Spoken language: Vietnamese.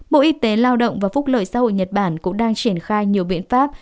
bộ y tế lao động và phúc lợi xã hội nhật bản cũng đang triển khai nhiều biện pháp